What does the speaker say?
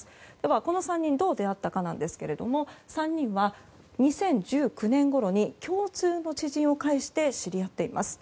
この３人、どう出会ったかなんですけれども３人は、２０１９年ごろに共通の知人を介して知り合っています。